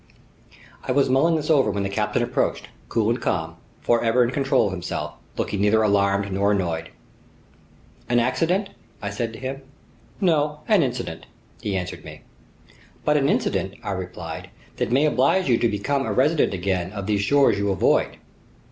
I was mulling this over when the captain approached, cool and calm, forever in control of himself, looking neither alarmed nor annoyed. "An accident?" I said to him. "No, an incident," he answered me. "But an incident," I replied, "that may oblige you to become a resident again of these shores you avoid!"